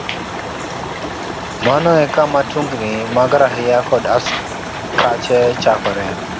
Mano e kama tungni mag raia kod askache chakoree.